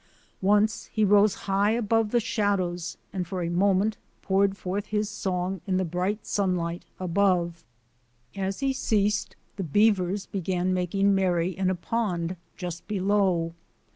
Once he rose high above the shadows and for a moment poured forth his song in the bright sunlight above. As he ceased, the beavers began making merry in a pond just below.